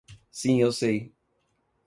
Sim eu sei.